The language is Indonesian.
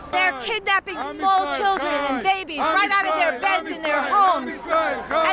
bersamaan dengan demo di luar markas pbb